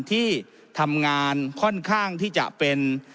ที่ทำงานค่อนข้างที่จะเป็น